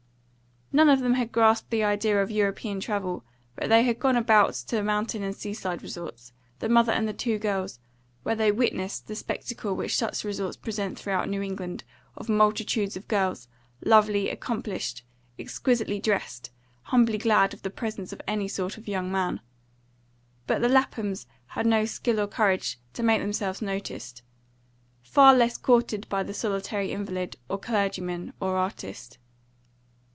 None of them had grasped the idea of European travel; but they had gone about to mountain and sea side resorts, the mother and the two girls, where they witnessed the spectacle which such resorts present throughout New England, of multitudes of girls, lovely, accomplished, exquisitely dressed, humbly glad of the presence of any sort of young man; but the Laphams had no skill or courage to make themselves noticed, far less courted by the solitary invalid, or clergyman, or artist.